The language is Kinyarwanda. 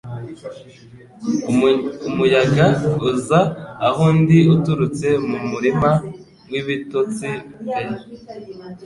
Umuyaga uza aho ndi uturutse mu murima w'ibitotsi pe